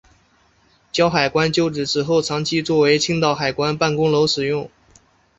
胶海关旧址此后长期作为青岛海关办公楼使用。